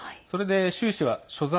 習氏は所在